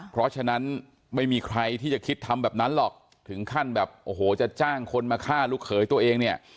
เพราะฉะนั้นไม่มีใครที่จะคิดทำแบบนั้นหรอกถึงขั้นแบบโอ้โหจะจ้างคนมาฆ่าลูกเขยตัวเองเนี่ย